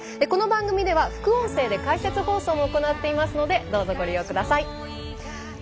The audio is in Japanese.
この番組では副音声で解説放送も行っていますのでどうぞ、ご利用ください。